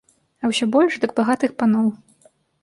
А ўсё больш дык багатых паноў.